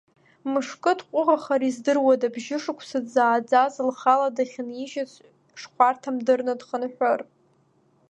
Мышкы дҟәыӷахар, издыруада бжьышықәса дзааӡаз, лхала дахьынижьыз шхәарҭам дырны дхынҳәыр…